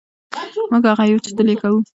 موږ هغه یو چې تل یې کوو.